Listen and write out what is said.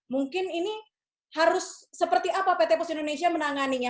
mungkin ini harus seperti apa pt pos indonesia menanganinya